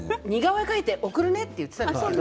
似顔絵を描いて送ってくれ言っていたんだけど